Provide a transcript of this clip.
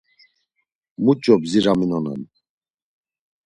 Muç̌o bdziraminonan.